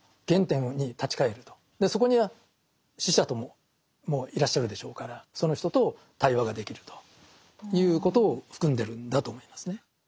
そこには死者ともいらっしゃるでしょうからその人と対話ができるということを含んでるんだと思いますね。